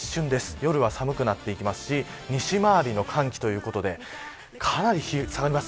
夜は寒くなっていきますし西回りの寒気ということでかなり下がります。